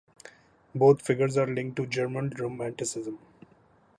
Both figures are linked to German Romanticism.